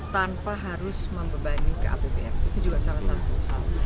tanpa harus membebani ke apbn itu juga salah satu hal